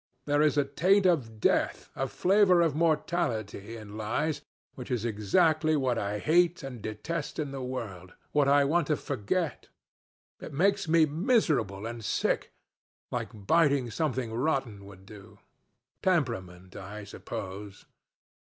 There is a taint of death, a flavor of mortality in lies, which is exactly what I hate and detest in the world what I want to forget. It makes me miserable and sick, like biting something rotten would do. Temperament, I suppose.